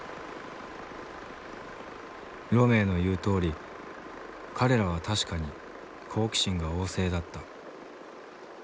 ロメウの言うとおり彼らは確かに好奇心が旺盛だった。